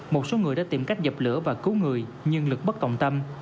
một số người đã tìm cách dập lửa và cứu người nhưng lực bất trọng tâm